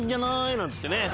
なんつってね。